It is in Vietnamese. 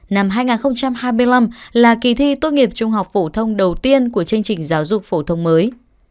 năm hai nghìn hai mươi năm là kỳ thi tốt nghiệp trung học phổ thông đầu tiên của chương trình giáo dục phổ thông mới